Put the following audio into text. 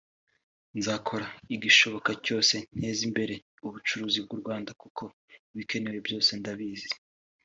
nzakora igishoboka cyose nteze imbere ubucuruzi mu Rwanda kuko ibikenewe byose ndabizi